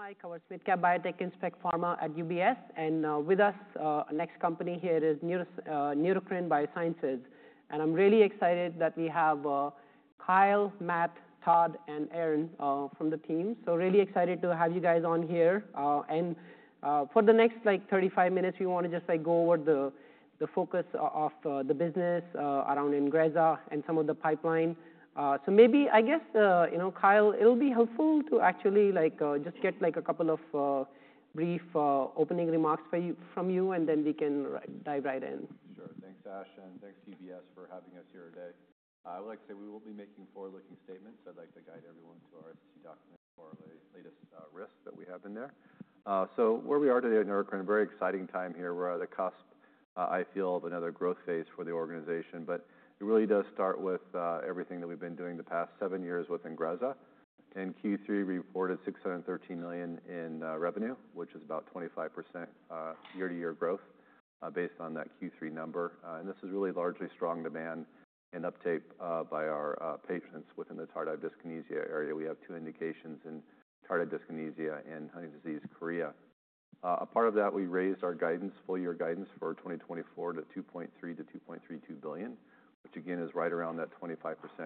I'm Ash Verma, Equity Pharma at UBS. With us, next company here is Neurocrine Biosciences. I'm really excited that we have Kyle, Matt, Todd, and Aaron from the team. So really excited to have you guys on here, and for the next, like, 35 minutes, we wanna just, like, go over the focus of the business around Ingrezza and some of the pipeline. So maybe, I guess, you know, Kyle, it'll be helpful to actually, like, just get, like, a couple of brief opening remarks from you, and then we can dive right in. Sure. Thanks, Ash, and thanks, UBS, for having us here today. I would like to say we will be making forward-looking statements. I'd like to guide everyone to our SEC document for the latest risks that we have in there. Where we are today at Neurocrine is a very exciting time here. We're at a cusp, I feel, of another growth phase for the organization. But it really does start with everything that we've been doing the past seven years with Ingrezza. In Q3, we reported $613 million in revenue, which is about 25% year-to-year growth, based on that Q3 number. This is really largely strong demand and uptake by our patients within the tardive dyskinesia area. We have two indications in tardive dyskinesia and Huntington's Disease chorea. As part of that, we raised our guidance, full-year guidance for 2024, to $2.3-$2.32 billion, which, again, is right around that 25%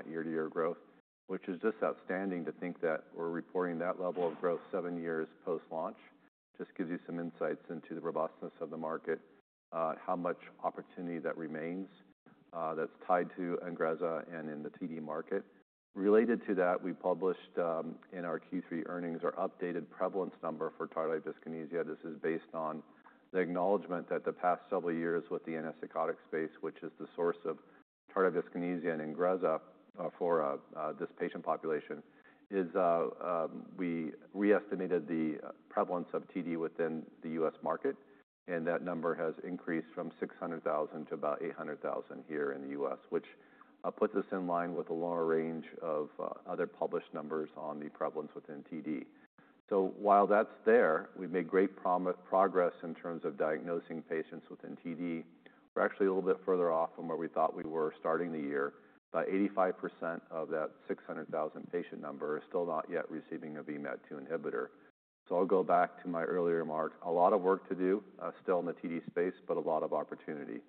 year-to-year growth, which is just outstanding to think that we're reporting that level of growth seven years post-launch. Just gives you some insights into the robustness of the market, how much opportunity that remains, that's tied to Ingrezza and in the TD market. Related to that, we published, in our Q3 earnings, our updated prevalence number for tardive dyskinesia. This is based on the acknowledgement that the past several years with the antipsychotic space, which is the source of tardive dyskinesia in Ingrezza, for this patient population, we re-estimated the prevalence of TD within the U.S. market, and that number has increased from 600,000 to about 800,000 here in the U.S., which puts us in line with a lower range of other published numbers on the prevalence of TD. So while that's there, we've made great progress in terms of diagnosing patients with TD. We're actually a little bit further off from where we thought we were starting the year. About 85% of that 600,000 patient number is still not yet receiving a VMAT2 inhibitor. So I'll go back to my earlier remarks. A lot of work to do, still in the TD space, but a lot of opportunity.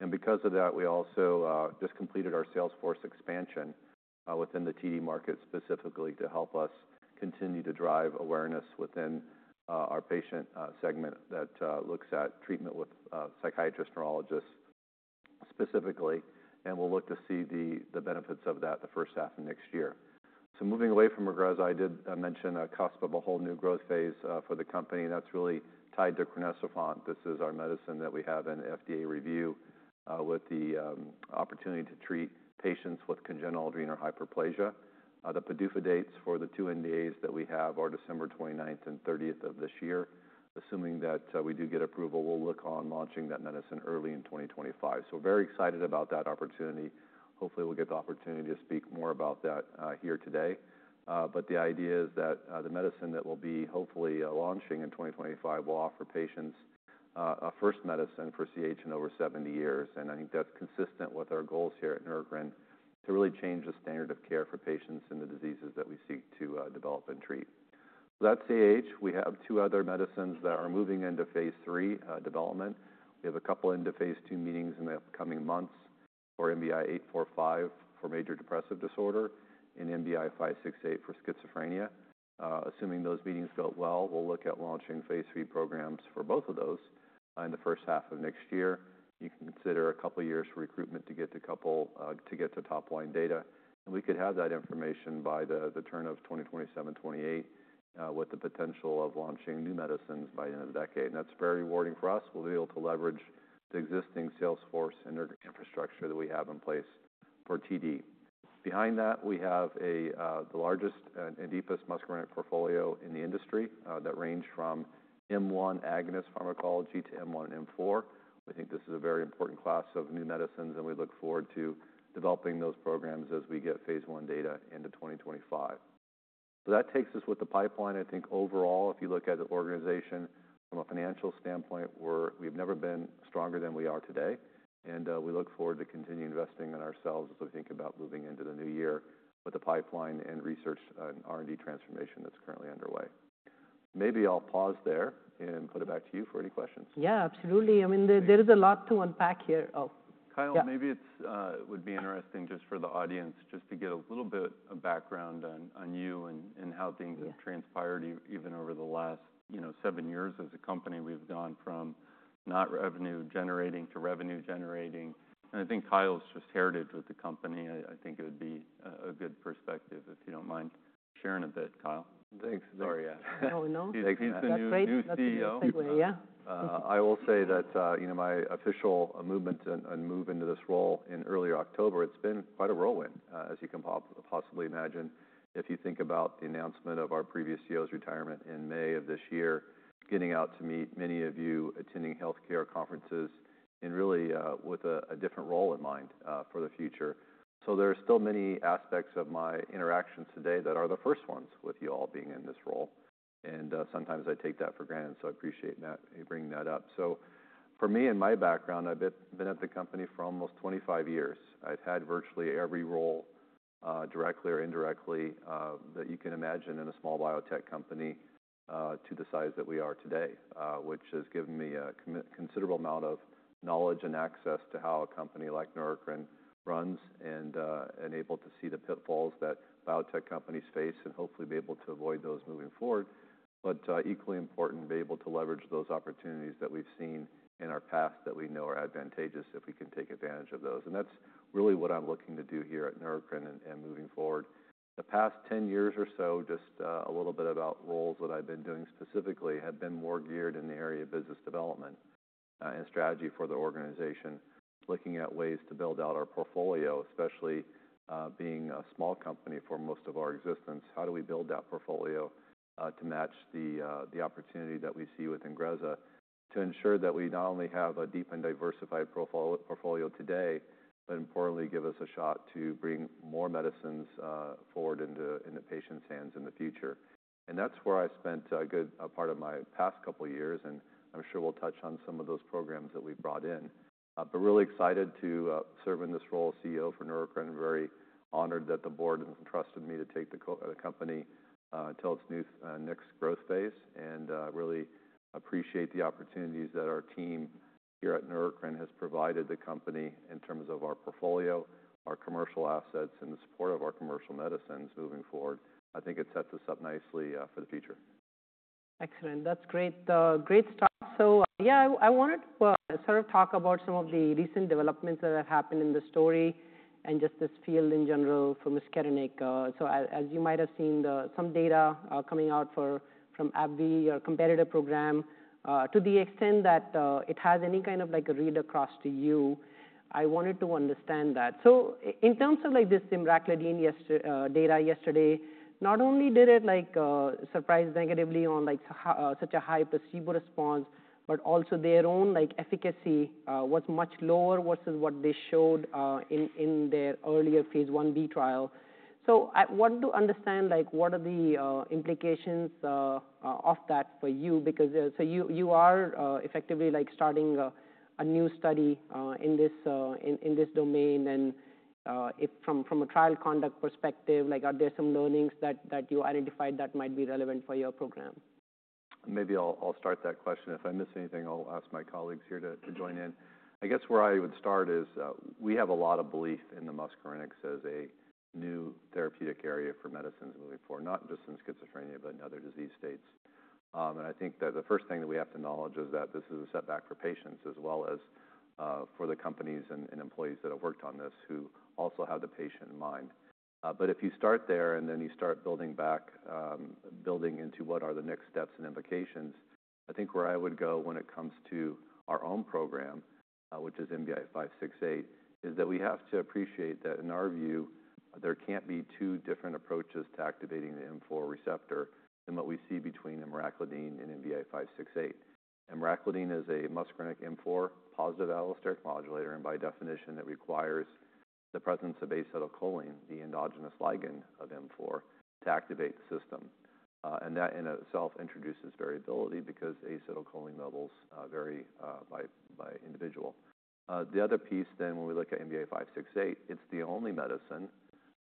And because of that, we also just completed our sales force expansion within the TD market specifically to help us continue to drive awareness within our patient segment that looks at treatment with psychiatrists, neurologists specifically. And we'll look to see the benefits of that the first half of next year. So moving away from Ingrezza, I did mention a cusp of a whole new growth phase for the company. That's really tied to crinecerfont. This is our medicine that we have in FDA review, with the opportunity to treat patients with congenital adrenal hyperplasia. The PDUFA dates for the two NDAs that we have are December 29th and 30th of this year. Assuming that we do get approval, we'll look on launching that medicine early in 2025. So we're very excited about that opportunity. Hopefully, we'll get the opportunity to speak more about that here today. But the idea is that the medicine that we'll be hopefully launching in 2025 will offer patients a first medicine for CAH in over 70 years. And I think that's consistent with our goals here at Neurocrine to really change the standard of care for patients in the diseases that we seek to develop and treat. So that's CAH. We have two other medicines that are moving into phase three development. We have a couple into phase two meetings in the upcoming months for MBI-845 for major depressive disorder and MBI-568 for schizophrenia. Assuming those meetings go well, we'll look at launching phase three programs for both of those in the first half of next year. You can consider a couple years for recruitment to get to a couple, to get to top-line data. And we could have that information by the turn of 2027, 2028, with the potential of launching new medicines by the end of the decade. And that's very rewarding for us. We'll be able to leverage the existing sales force and our infrastructure that we have in place for TD. Behind that, we have the largest and deepest muscarinic portfolio in the industry, that range from M1 agonist pharmacology to M1 and M4. We think this is a very important class of new medicines, and we look forward to developing those programs as we get phase one data into 2025. So that takes us with the pipeline. I think overall, if you look at the organization from a financial standpoint, we've never been stronger than we are today. We look forward to continuing investing in ourselves as we think about moving into the new year with the pipeline and research and R&D transformation that's currently underway. Maybe I'll pause there and put it back to you for any questions. Yeah, absolutely. I mean, there is a lot to unpack here. Oh. Kyle, maybe it would be interesting just for the audience to get a little bit of background on you and how things have. Yeah. Transpired even over the last, you know, seven years as a company. We've gone from not revenue-generating to revenue-generating. And I think Kyle's just tenure with the company. I think it would be a good perspective if you don't mind sharing a bit, Kyle. Thanks. Sorry. Oh, no. He's a new CEO. That's great. That's exactly. Yeah. I will say that, you know, my official move into this role in early October. It's been quite a whirlwind, as you can possibly imagine if you think about the announcement of our previous CEO's retirement in May of this year, getting out to meet many of you attending healthcare conferences and really with a different role in mind for the future. So there are still many aspects of my interactions today that are the first ones with you all being in this role. And sometimes I take that for granted. So I appreciate Matt bringing that up. So for me and my background, I've been at the company for almost 25 years. I've had virtually every role, directly or indirectly, that you can imagine in a small biotech company, to the size that we are today, which has given me a considerable amount of knowledge and access to how a company like Neurocrine runs and able to see the pitfalls that biotech companies face and hopefully be able to avoid those moving forward, but equally important, be able to leverage those opportunities that we've seen in our past that we know are advantageous if we can take advantage of those, and that's really what I'm looking to do here at Neurocrine and moving forward. The past 10 years or so, just a little bit about roles that I've been doing specifically have been more geared in the area of business development and strategy for the organization, looking at ways to build out our portfolio, especially being a small company for most of our existence. How do we build that portfolio to match the opportunity that we see with Ingrezza to ensure that we not only have a deep and diversified portfolio today, but importantly give us a shot to bring more medicines forward into patients' hands in the future, and that's where I spent a good part of my past couple of years, and I'm sure we'll touch on some of those programs that we've brought in. but really excited to serve in this role as CEO for Neurocrine and very honored that the board entrusted me to take the company until its new next growth phase, and really appreciate the opportunities that our team here at Neurocrine has provided the company in terms of our portfolio, our commercial assets, and the support of our commercial medicines moving forward. I think it sets us up nicely for the future. Excellent. That's great, great stuff. Yeah, I wanted to sort of talk about some of the recent developments that have happened in the story and just this field in general for muscarinic. As you might have seen, some data coming out from AbbVie or competitor program, to the extent that it has any kind of like a read across to you, I wanted to understand that. In terms of like this emraclidine yesterday's data yesterday, not only did it like surprise negatively on like such a high placebo response, but also their own like efficacy was much lower versus what they showed in their earlier phase one B trial. I want to understand like what are the implications of that for you? Because you are effectively like starting a new study in this domain. If from a trial conduct perspective, like, are there some learnings that you identified that might be relevant for your program? Maybe I'll start that question. If I miss anything, I'll ask my colleagues here to join in. I guess where I would start is, we have a lot of belief in the muscarinics as a new therapeutic area for medicines moving forward, not just in schizophrenia, but in other disease states, and I think that the first thing that we have to acknowledge is that this is a setback for patients as well as for the companies and employees that have worked on this who also have the patient in mind. But if you start there and then you start building back, building into what are the next steps and implications, I think where I would go when it comes to our own program, which is MBI-568, is that we have to appreciate that in our view, there can't be two different approaches to activating the M4 receptor than what we see between emraclidine and MBI-568. emraclidine is a muscarinic M4 positive allosteric modulator, and by definition, it requires the presence of acetylcholine, the endogenous ligand of M4, to activate the system, and that in itself introduces variability because acetylcholine levels vary by individual. The other piece then, when we look at MBI-568, it's the only medicine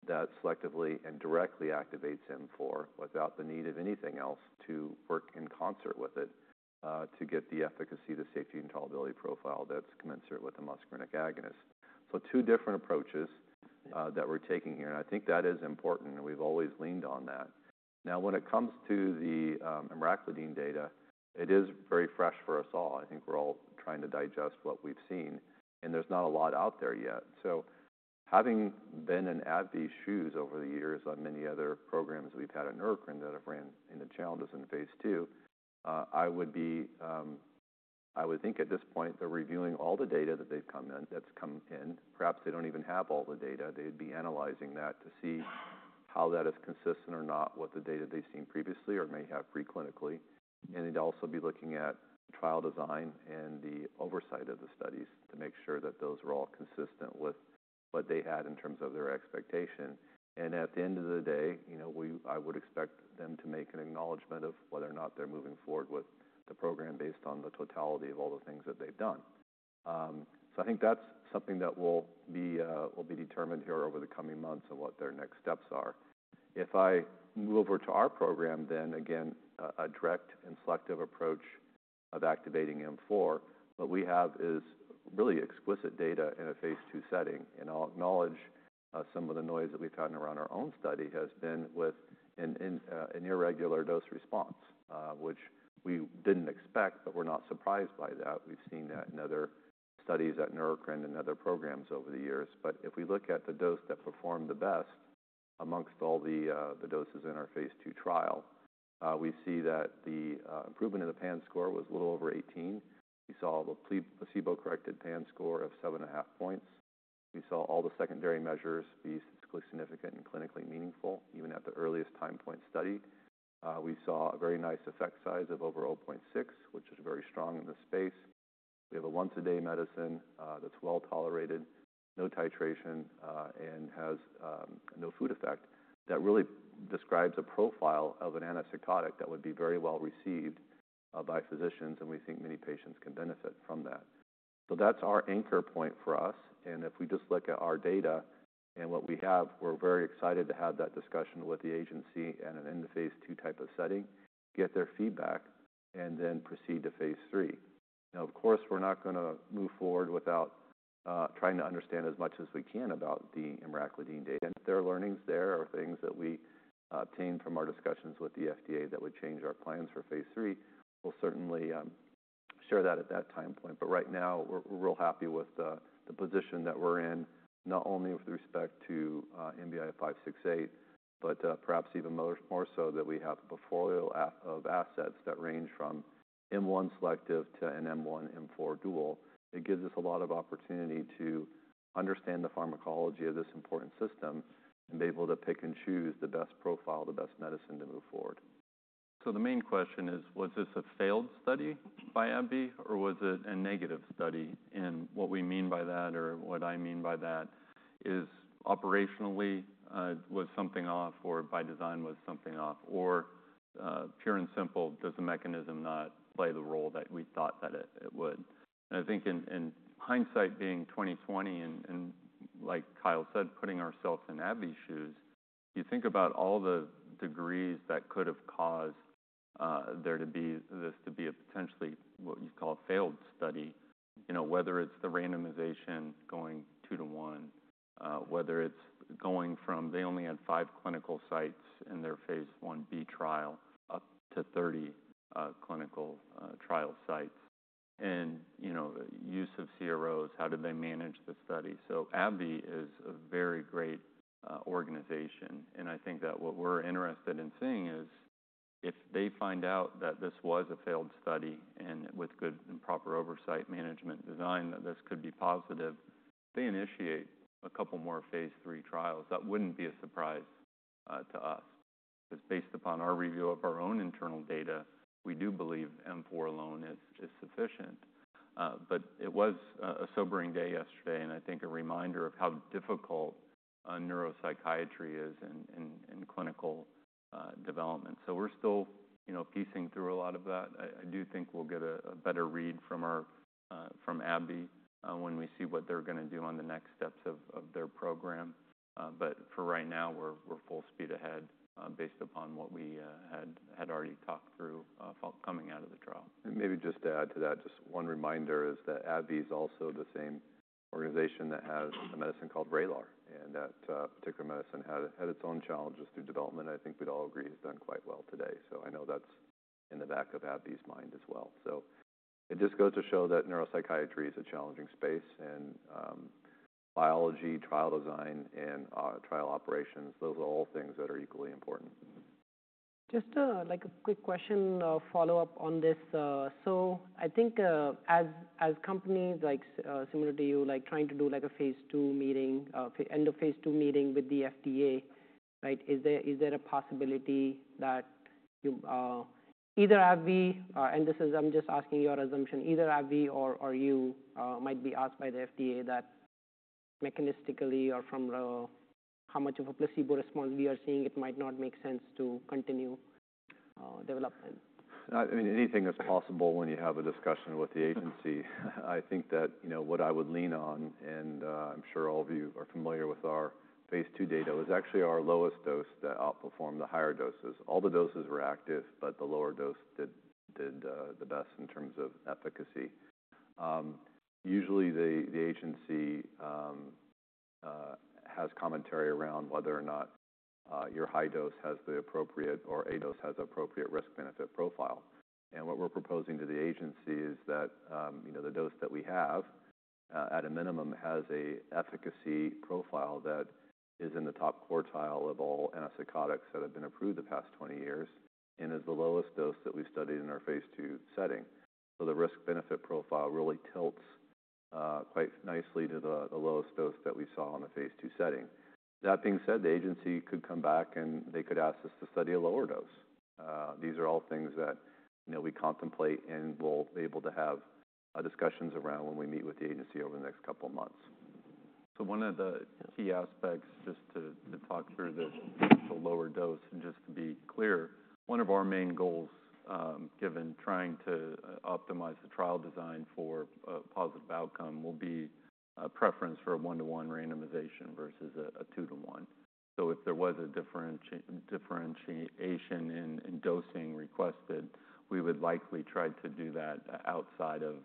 that selectively and directly activates M4 without the need of anything else to work in concert with it, to get the efficacy, the safety, and tolerability profile that's commensurate with the muscarinic agonist. So two different approaches that we're taking here. And I think that is important, and we've always leaned on that. Now, when it comes to the emraclidine data, it is very fresh for us all. I think we're all trying to digest what we've seen, and there's not a lot out there yet. So having been in AbbVie's shoes over the years on many other programs we've had at Neurocrine that have ran into the challenges in phase two, I would think at this point they're reviewing all the data that's come in. Perhaps they don't even have all the data. They'd be analyzing that to see how that is consistent or not with the data they've seen previously or may have preclinically. They'd also be looking at trial design and the oversight of the studies to make sure that those were all consistent with what they had in terms of their expectation. At the end of the day, you know, I would expect them to make an acknowledgement of whether or not they're moving forward with the program based on the totality of all the things that they've done. So I think that's something that will be determined here over the coming months of what their next steps are. If I move over to our program, then again, a direct and selective approach of activating M4, what we have is really exquisite data in a phase two setting. I'll acknowledge, some of the noise that we've had around our own study has been with an irregular dose response, which we didn't expect, but we're not surprised by that. We've seen that in other studies at Neurocrine and other programs over the years. But if we look at the dose that performed the best among all the doses in our phase two trial, we see that the improvement in the PANSS score was a little over 18. We saw the placebo-corrected PANSS score of seven and a half points. We saw all the secondary measures be statistically significant and clinically meaningful even at the earliest time point study. We saw a very nice effect size of over 0.6, which is very strong in this space. We have a once-a-day medicine that's well tolerated, no titration, and has no food effect that really describes a profile of an antipsychotic that would be very well received by physicians. And we think many patients can benefit from that. So that's our anchor point for us. And if we just look at our data and what we have, we're very excited to have that discussion with the agency and an end-of-phase two type of setting, get their feedback, and then proceed to phase three. Now, of course, we're not gonna move forward without trying to understand as much as we can about the emraclidine data. And if there are learnings there or things that we obtained from our discussions with the FDA that would change our plans for phase three, we'll certainly share that at that time point. But right now, we're real happy with the position that we're in, not only with respect to MBI-568, but perhaps even more so that we have a portfolio of assets that range from M1 selective to an M1, M4 dual. It gives us a lot of opportunity to understand the pharmacology of this important system and be able to pick and choose the best profile, the best medicine to move forward. So the main question is, was this a failed study by AbbVie, or was it a negative study? And what we mean by that, or what I mean by that, is operationally, was something off, or by design was something off? Or, pure and simple, does the mechanism not play the role that we thought that it would? I think in hindsight, being 2020 and like Kyle said, putting ourselves in AbbVie's shoes, you think about all the degrees that could have caused there to be a potentially what you call a failed study, you know, whether it's the randomization going two to one, whether it's going from they only had five clinical sites in their phase one B trial up to 30 clinical trial sites. And, you know, the use of CROs, how did they manage the study? So AbbVie is a very great organization. I think that what we're interested in seeing is if they find out that this was a failed study and with good and proper oversight management design, that this could be positive. If they initiate a couple more phase three trials, that wouldn't be a surprise to us because based upon our review of our own internal data, we do believe M4 alone is sufficient. But it was a sobering day yesterday, and I think a reminder of how difficult neuropsychiatry is in clinical development. We're still you know piecing through a lot of that. I do think we'll get a better read from AbbVie when we see what they're gonna do on the next steps of their program. but for right now, we're full speed ahead, based upon what we had already talked through coming out of the trial. And maybe just to add to that, just one reminder is that AbbVie is also the same organization that has a medicine called Vraylar. And that particular medicine had its own challenges through development. I think we'd all agree it's done quite well today. So I know that's in the back of AbbVie's mind as well. So it just goes to show that neuropsychiatry is a challenging space. And biology, trial design, and trial operations, those are all things that are equally important. Just like a quick question, follow-up on this. So I think, as companies like, similar to you, like trying to do like a phase two meeting, end of phase two meeting with the FDA, right? Is there a possibility that you, either AbbVie, and this is I'm just asking your assumption, either AbbVie or you, might be asked by the FDA that mechanistically or from how much of a placebo response we are seeing, it might not make sense to continue development? I mean, anything that's possible when you have a discussion with the agency. I think that, you know, what I would lean on, and I'm sure all of you are familiar with our phase two data, was actually our lowest dose that outperformed the higher doses. All the doses were active, but the lower dose did the best in terms of efficacy. Usually the agency has commentary around whether or not your high dose has the appropriate or a dose has appropriate risk-benefit profile. What we're proposing to the agency is that, you know, the dose that we have, at a minimum, has an efficacy profile that is in the top quartile of all antipsychotics that have been approved the past 20 years and is the lowest dose that we've studied in our phase two setting. The risk-benefit profile really tilts quite nicely to the lowest dose that we saw on the phase two setting. That being said, the agency could come back and they could ask us to study a lower dose. These are all things that, you know, we contemplate and we'll be able to have discussions around when we meet with the agency over the next couple of months. So one of the key aspects just to talk through the lower dose and just to be clear, one of our main goals, given trying to optimize the trial design for a positive outcome will be a preference for a one-to-one randomization versus a two-to-one. So if there was a differentiation in dosing requested, we would likely try to do that outside of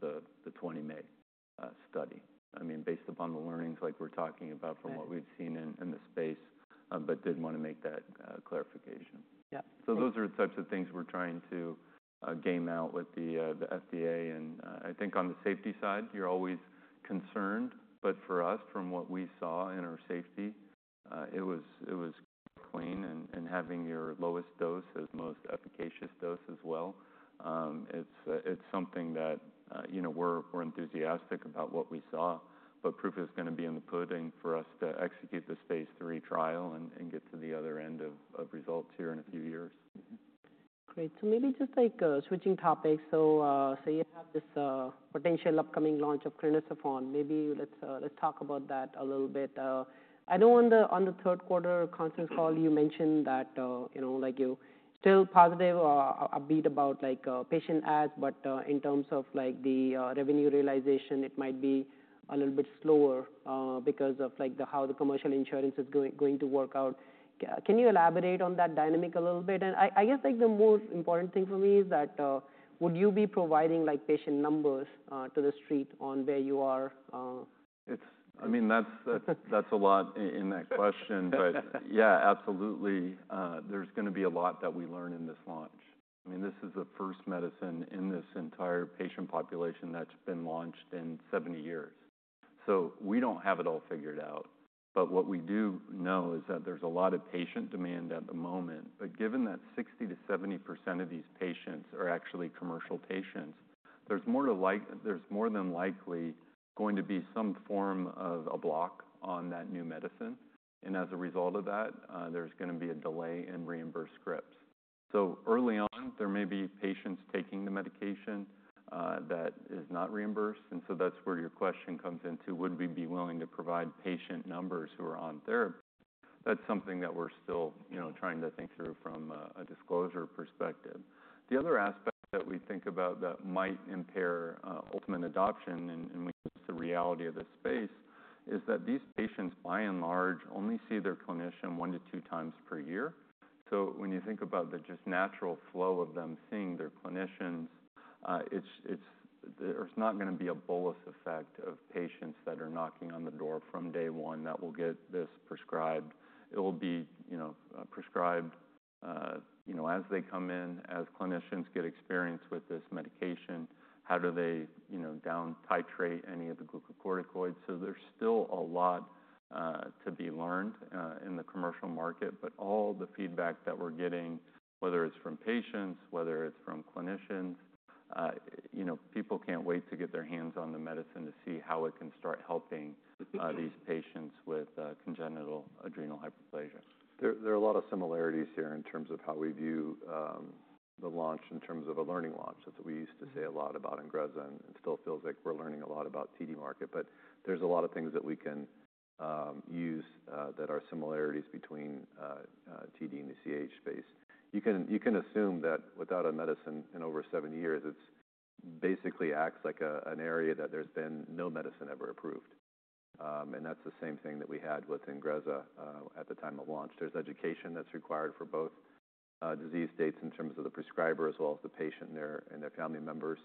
the 20-mg study. I mean, based upon the learnings like we're talking about from what we've seen in the space, but did want to make that clarification. Yeah. So those are the types of things we're trying to game out with the FDA. And I think on the safety side, you're always concerned. But for us, from what we saw in our safety, it was clean. And having your lowest dose as most efficacious dose as well, it's something that you know we're enthusiastic about what we saw. But proof is gonna be in the pudding for us to execute this phase three trial and get to the other end of results here in a few years. Great. So maybe just like switching topics. So say you have this potential upcoming launch of crinecerfont. Maybe let's talk about that a little bit. I know on the third quarter conference call, you mentioned that you know like you still positive a bit about like patient adds. But in terms of like the revenue realization, it might be a little bit slower because of like how the commercial insurance is going to work out. Can you elaborate on that dynamic a little bit? And I guess like the more important thing for me is that would you be providing like patient numbers to the street on where you are? It's, I mean, that's a lot in that question. But yeah, absolutely. There's gonna be a lot that we learn in this launch. I mean, this is the first medicine in this entire patient population that's been launched in 70 years. So we don't have it all figured out. But what we do know is that there's a lot of patient demand at the moment. But given that 60%-70% of these patients are actually commercial patients, there's more to like, there's more than likely going to be some form of a block on that new medicine. And as a result of that, there's gonna be a delay in reimbursed scripts. So early on, there may be patients taking the medication that is not reimbursed. And so that's where your question comes into. Would we be willing to provide patient numbers who are on therapy? That's something that we're still, you know, trying to think through from a disclosure perspective. The other aspect that we think about that might impair ultimate adoption and the reality of this space is that these patients, by and large, only see their clinician one to two times per year. So when you think about the just natural flow of them seeing their clinicians, it's there's not gonna be a bolus effect of patients that are knocking on the door from day one that will get this prescribed. It'll be, you know, prescribed, you know, as they come in, as clinicians get experience with this medication, how do they, you know, down-titrate any of the glucocorticoids? So there's still a lot to be learned in the commercial market. But all the feedback that we're getting, whether it's from patients, whether it's from clinicians, you know, people can't wait to get their hands on the medicine to see how it can start helping these patients with congenital adrenal hyperplasia. There are a lot of similarities here in terms of how we view the launch in terms of a learning launch. That's what we used to say a lot about in Ingrezza. It still feels like we're learning a lot about TD market. But there's a lot of things that we can use that are similarities between TD and the CAH space. You can assume that without a medicine in over 70 years, it's basically acts like an area that there's been no medicine ever approved. And that's the same thing that we had with Ingrezza at the time of launch. There's education that's required for both disease states in terms of the prescriber as well as the patient and their family members.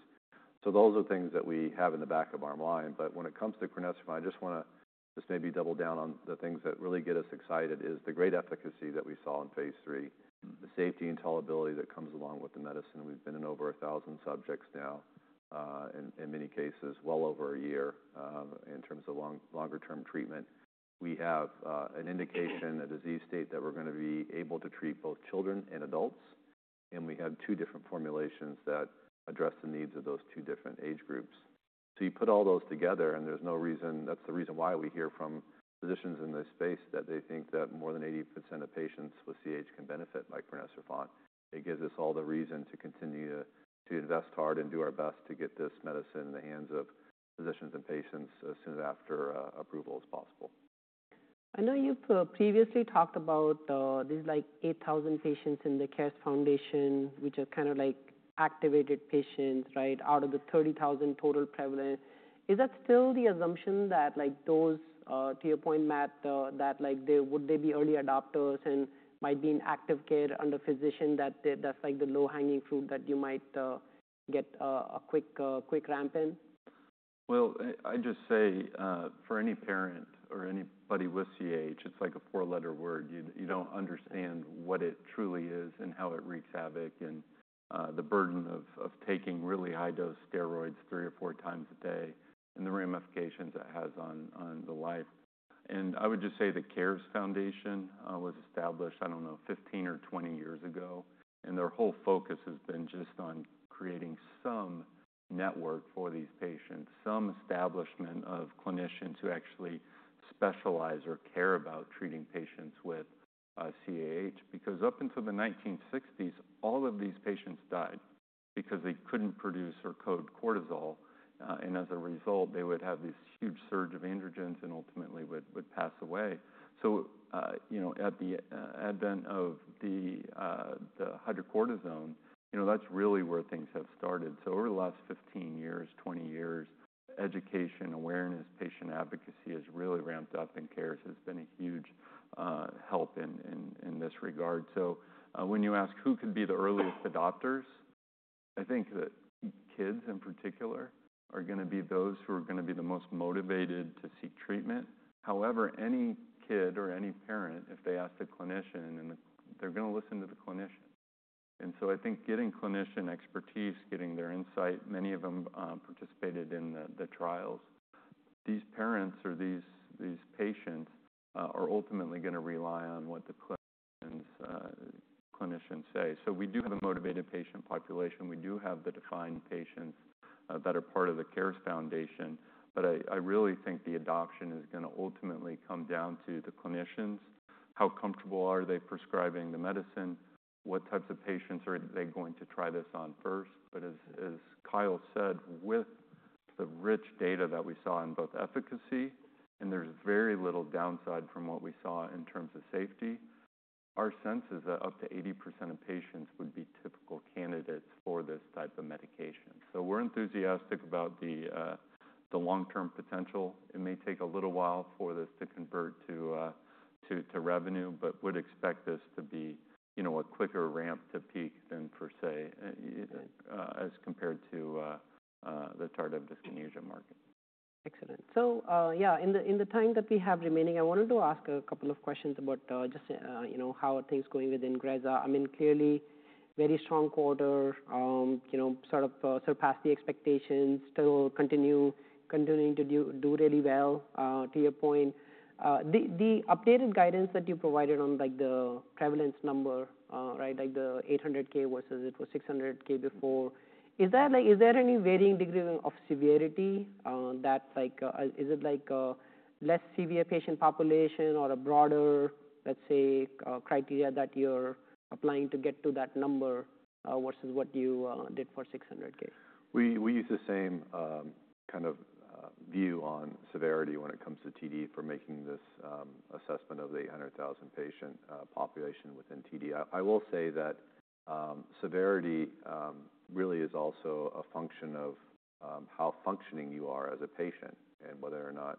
So those are things that we have in the back of our mind. But when it comes to Crinecerfont, I just wanna just maybe double down on the things that really get us excited is the great efficacy that we saw in phase three, the safety and tolerability that comes along with the medicine. We've been in over a thousand subjects now, in many cases, well over a year, in terms of longer-term treatment. We have an indication, a disease state that we're gonna be able to treat both children and adults. And we have two different formulations that address the needs of those two different age groups. So you put all those together, and there's no reason that's the reason why we hear from physicians in this space that they think that more than 80% of patients with CAH can benefit by Crinecerfont. It gives us all the reason to continue to invest hard and do our best to get this medicine in the hands of physicians and patients as soon as possible after approval. I know you've previously talked about these like 8,000 patients in the CARES Foundation, which are kind of like activated patients, right, out of the 30,000 total prevalent. Is that still the assumption that like those, to your point, Matt, that like they would be early adopters and might be in active care under a physician, that that's like the low-hanging fruit that you might get a quick, quick ramp in? I just say, for any parent or anybody with CH, it's like a four-letter word. You don't understand what it truly is and how it wreaks havoc and the burden of taking really high-dose steroids three or four times a day and the ramifications it has on the life. I would just say the CARES Foundation was established, I don't know, 15 or 20 years ago. Their whole focus has been just on creating some network for these patients, some establishment of clinicians who actually specialize or care about treating patients with CAH. Because up until the 1960s, all of these patients died because they couldn't produce cortisol. As a result, they would have this huge surge of androgens and ultimately would pass away. So, you know, at the advent of the hydrocortisone, you know, that's really where things have started. So over the last 15 years, 20 years, education, awareness, patient advocacy has really ramped up, and CARES has been a huge help in this regard. So, when you ask who could be the earliest adopters, I think that kids in particular are gonna be those who are gonna be the most motivated to seek treatment. However, any kid or any parent, if they ask the clinician, and they're gonna listen to the clinician. And so I think getting clinician expertise, getting their insight, many of them participated in the trials. These parents or these patients are ultimately gonna rely on what the clinicians say. So we do have a motivated patient population. We do have the defined patients that are part of the CARES Foundation. But I really think the adoption is gonna ultimately come down to the clinicians. How comfortable are they prescribing the medicine? What types of patients are they going to try this on first? But as Kyle said, with the rich data that we saw in both efficacy, and there's very little downside from what we saw in terms of safety, our sense is that up to 80% of patients would be typical candidates for this type of medication. So we're enthusiastic about the long-term potential. It may take a little while for this to convert to revenue, but would expect this to be, you know, a quicker ramp to peak than per se, as compared to the tardive dyskinesia market. Excellent. So, yeah, in the time that we have remaining, I wanted to ask a couple of questions about, just, you know, how are things going with Ingrezza? I mean, clearly very strong quarter, you know, sort of, surpassed the expectations, still continuing to do really well, to your point. The updated guidance that you provided on like the prevalence number, right, like the 800K versus it was 600K before, is there like, is there any varying degree of severity, that's like, is it like a less severe patient population or a broader, let's say, criteria that you're applying to get to that number, versus what you did for 600K? We use the same kind of view on severity when it comes to TD for making this assessment of the 800,000-patient population within TD. I will say that severity really is also a function of how functioning you are as a patient and whether or not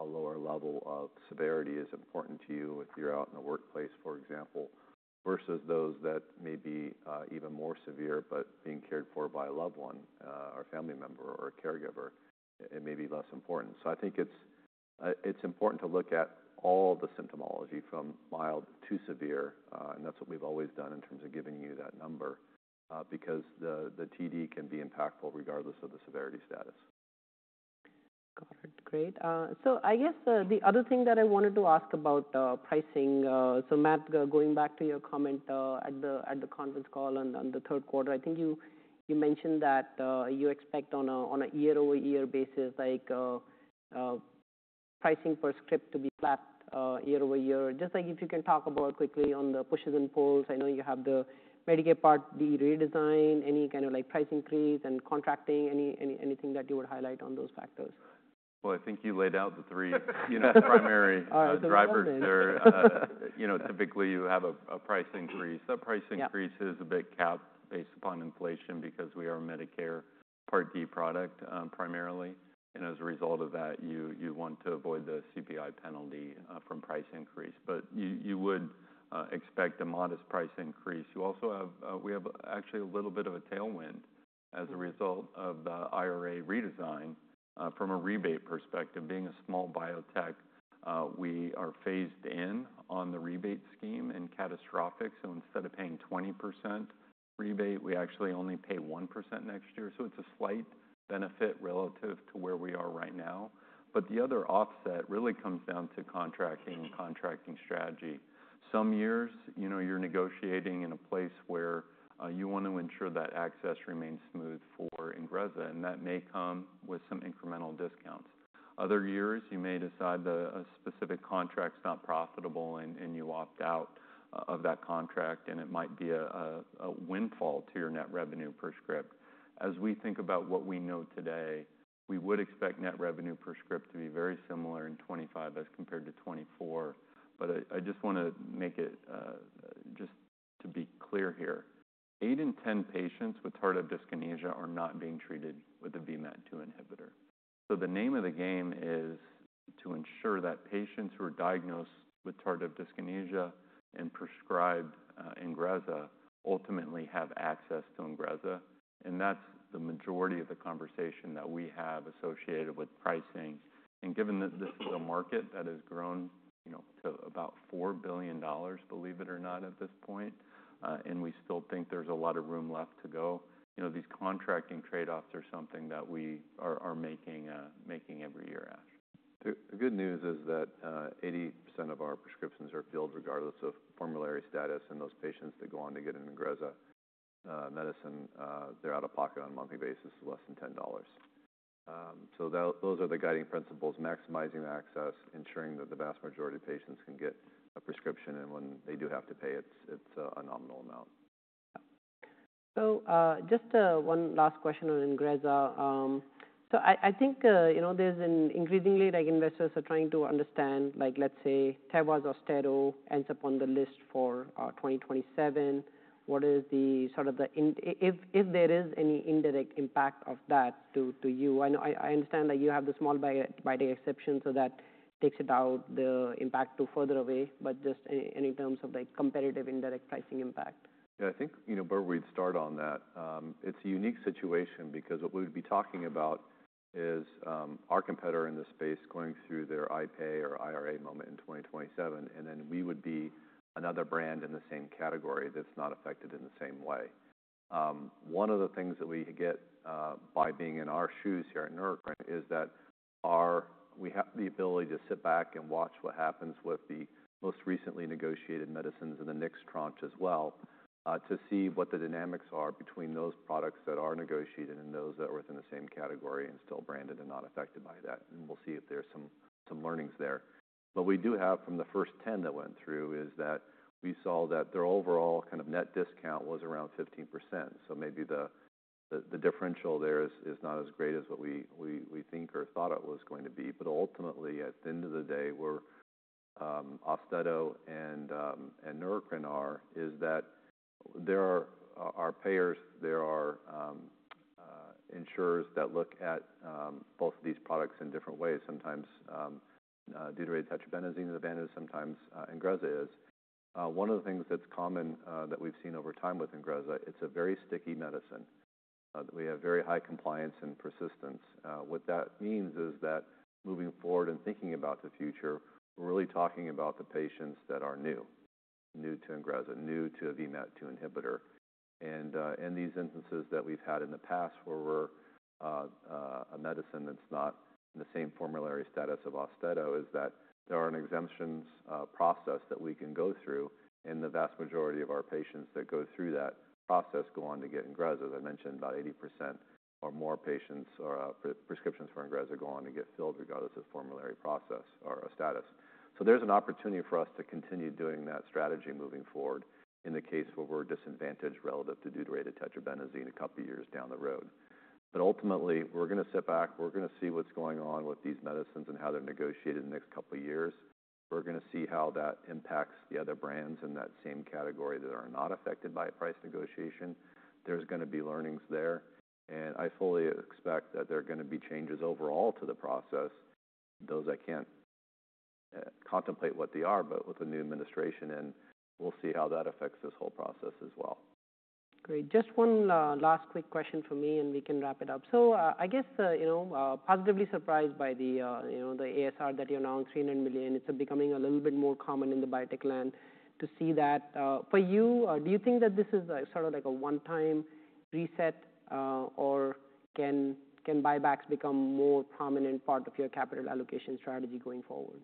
a lower level of severity is important to you if you're out in the workplace, for example, versus those that may be even more severe but being cared for by a loved one, or family member or a caregiver. It may be less important. So I think it's important to look at all the symptomology from mild to severe, and that's what we've always done in terms of giving you that number, because the TD can be impactful regardless of the severity status. Got it. Great, so I guess the other thing that I wanted to ask about, pricing, so Matt, going back to your comment, at the conference call on the third quarter, I think you mentioned that you expect on a year-over-year basis, like, pricing per script to be flat, year-over-year. Just like if you can talk about quickly on the pushes and pulls. I know you have the Medicare Part D, the redesign, any kind of like price increase and contracting, anything that you would highlight on those factors? I think you laid out the three, you know, primary drivers. They're, you know, typically you have a price increase. That price increase is a bit capped based upon inflation because we are a Medicare Part D product, primarily. As a result of that, you want to avoid the CPI penalty from price increase. You would expect a modest price increase. You also have, we have actually a little bit of a tailwind as a result of the IRA redesign from a rebate perspective. Being a small biotech, we are phased in on the rebate scheme and catastrophic. Instead of paying 20% rebate, we actually only pay 1% next year. It's a slight benefit relative to where we are right now. The other offset really comes down to contracting and contracting strategy. Some years, you know, you're negotiating in a place where you wanna ensure that access remains smooth for Ingrezza. And that may come with some incremental discounts. Other years, you may decide the specific contract's not profitable and you opt out of that contract, and it might be a windfall to your net revenue per script. As we think about what we know today, we would expect net revenue per script to be very similar in 2025 as compared to 2024. But I just wanna make it just to be clear here. Eight in 10 patients with tardive dyskinesia are not being treated with a VMAT2 inhibitor. So the name of the game is to ensure that patients who are diagnosed with tardive dyskinesia and prescribed Ingrezza ultimately have access to Ingrezza. And that's the majority of the conversation that we have associated with pricing. And given that this is a market that has grown, you know, to about $4 billion, believe it or not, at this point, and we still think there's a lot of room left to go, you know, these contracting trade-offs are something that we are making every year after. The good news is that 80% of our prescriptions are filled regardless of formulary status. And those patients that go on to get an Ingrezza medicine, they're out of pocket on a monthly basis of less than $10. So those are the guiding principles: maximizing access, ensuring that the vast majority of patients can get a prescription. And when they do have to pay, it's a nominal amount. Yeah. So, just one last question on Ingrezza. So I think, you know, there's increasingly like investors are trying to understand, like, let's say, Teva's or Austedo ends up on the list for 2027. What is the sort of, if there is any indirect impact of that to you? I know I understand that you have the small biopharma exception, so that takes it out the impact to further away. But just in terms of like comparative indirect pricing impact. Yeah. I think, you know, where we'd start on that, it's a unique situation because what we would be talking about is, our competitor in this space going through their IRA moment in 2027. And then we would be another brand in the same category that's not affected in the same way. One of the things that we get, by being in our shoes here at Neurocrine is that we have the ability to sit back and watch what happens with the most recently negotiated medicines in the next tranche as well, to see what the dynamics are between those products that are negotiated and those that are within the same category and still branded and not affected by that. And we'll see if there's some learnings there. But we do have from the first 10 that went through is that we saw that their overall kind of net discount was around 15%. So maybe the differential there is not as great as what we think or thought it was going to be. But ultimately, at the end of the day, Austedo and Ingrezza are that there are our payers there are insurers that look at both of these products in different ways. Sometimes deutetrabenazine is a bandage, sometimes Ingrezza is. One of the things that's common that we've seen over time with Ingrezza, it's a very sticky medicine that we have very high compliance and persistence. What that means is that moving forward and thinking about the future, we're really talking about the patients that are new to Ingrezza, new to a VMAT2 inhibitor. And in these instances that we've had in the past where we have a medicine that's not in the same formulary status as Austedo, there is an exemption process that we can go through. And the vast majority of our patients that go through that process go on to get Ingrezza. As I mentioned, about 80% or more patients or prescriptions for Ingrezza go on to get filled regardless of formulary process or status. So there's an opportunity for us to continue doing that strategy moving forward in the case where we're disadvantaged relative to deutetrabenazine a couple of years down the road. But ultimately, we're gonna sit back. We're gonna see what's going on with these medicines and how they're negotiated in the next couple of years. We're gonna see how that impacts the other brands in that same category that are not affected by price negotiation. There's gonna be learnings there. And I fully expect that there are gonna be changes overall to the process. Those, I can't contemplate what they are, but with the new administration, and we'll see how that affects this whole process as well. Great. Just one last quick question for me, and we can wrap it up. So, I guess, you know, positively surprised by the, you know, the ASR that you announced, $300 million. It's becoming a little bit more common in the biotech land to see that. For you, do you think that this is, sort of like a one-time reset, or can buybacks become more prominent part of your capital allocation strategy going forward?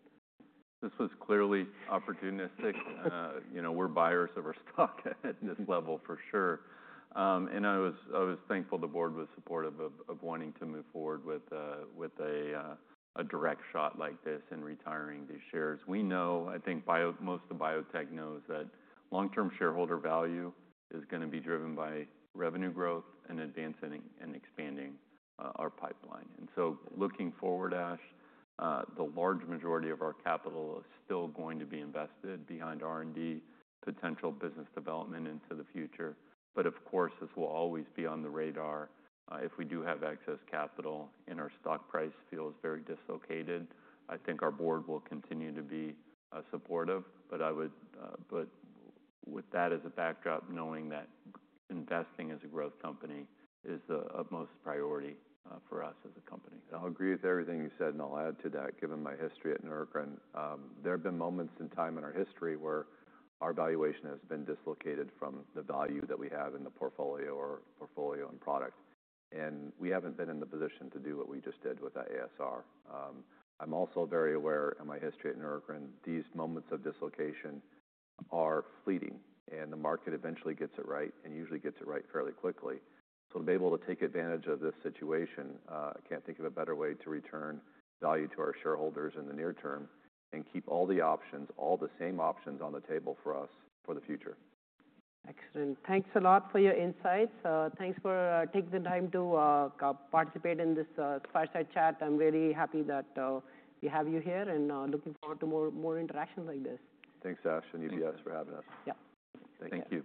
This was clearly opportunistic. You know, we're buyers of our stock at this level for sure. And I was thankful the board was supportive of wanting to move forward with a direct shot like this and retiring these shares. We know. I think most of the biotech knows that long-term shareholder value is gonna be driven by revenue growth and advancing and expanding our pipeline. And so looking forward, Ash, the large majority of our capital is still going to be invested behind R&D, potential business development into the future. But of course, this will always be on the radar. If we do have excess capital and our stock price feels very dislocated, I think our board will continue to be supportive. With that as a backdrop, knowing that investing as a growth company is the most priority for us as a company. I'll agree with everything you said. I'll add to that, given my history at Neurocrine, there have been moments in time in our history where our valuation has been dislocated from the value that we have in the portfolio or product. We haven't been in the position to do what we just did with that ASR. I'm also very aware in my history at Neurocrine, these moments of dislocation are fleeting, and the market eventually gets it right and usually gets it right fairly quickly. So to be able to take advantage of this situation, I can't think of a better way to return value to our shareholders in the near term and keep all the options, all the same options on the table for us for the future. Excellent. Thanks a lot for your insights. Thanks for taking the time to participate in this fireside chat. I'm really happy that we have you here and looking forward to more interactions like this. Thanks, Ash, and UBS for having us. Yeah. Thank you.